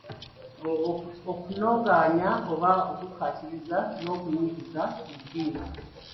Okunogaanya oba okukkaatiriza n'okunnyikiza mu ddiini.